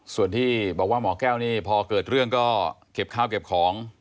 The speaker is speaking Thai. ส่วนที่บอกว่าหมอแก้วนี่พอเกิดเรื่องก็เก็บข้าวเก็บของ